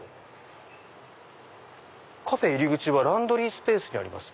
「カフェ入口はランドリースペースにあります」。